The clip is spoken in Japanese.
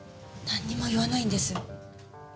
何にも言わないんです。